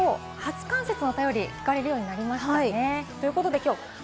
さてこのところ、初冠雪のお便りを聞かれるようになりましたね。